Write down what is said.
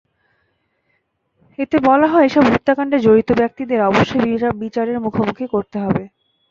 এতে বলা হয়, এসব হত্যাকাণ্ডে জড়িত ব্যক্তিদের অবশ্যই বিচারের মুখোমুখি করতে হবে।